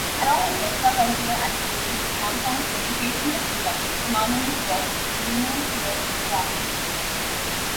Along with extra-curricular activities, Hong Kong's education has become synonymous for leaning towards quantity.